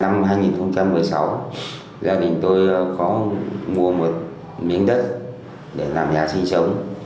năm hai nghìn một mươi sáu gia đình tôi có mua một miếng đất để làm nhà sinh sống